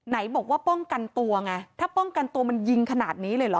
ไหนบอกว่าป้องกันตัวไงถ้าป้องกันตัวมันยิงขนาดนี้เลยเหรอ